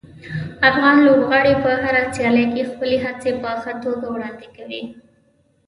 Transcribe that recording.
افغان لوبغاړي په هره سیالي کې خپلې هڅې په ښه توګه وړاندې کوي.